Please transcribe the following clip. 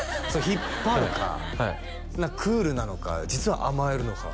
引っ張るかクールなのか実は甘えるのか